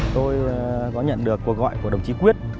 tôi có nhận được cuộc gọi của đồng chí quyết